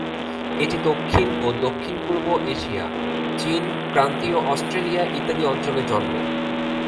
এটি দক্ষিণ ও দক্ষিণ-পূর্ব এশিয়া, চীন, ক্রান্তীয় অস্ট্রেলিয়া ইত্যাদি অঞ্চলে জন্মে।